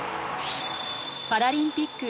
パラリンピック